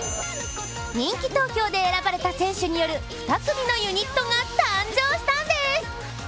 人気投票で選ばれた選手による２組のユニットが誕生したんです。